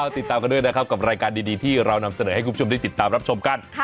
ติดตามกันด้วยนะครับกับรายการดีที่เรานำเสนอให้คุณผู้ชมได้ติดตามรับชมกัน